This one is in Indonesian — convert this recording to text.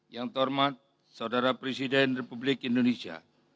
yang terhormat saudara presiden republik indonesia